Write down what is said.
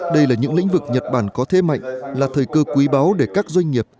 đây là những lĩnh vực nhật bản có thế mạnh là thời cơ quý báu để các doanh nghiệp